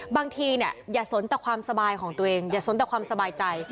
บางทีเนี่ยอย่าสนแต่ความสบายของตัวเองอย่าสนแต่ความสบายใจ